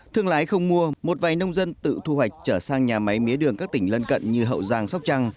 thương lái không mua một vài nông dân tự thu hoạch trở sang nhà máy mía đường các tỉnh lân cận như hậu giang sóc trăng